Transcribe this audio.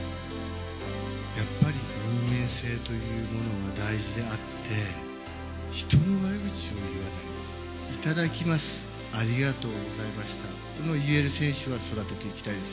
やっぱり人間性というものは大事であって、人の悪口を言わない、いただきます、ありがとうございました、これを言える選手を育てていきたいです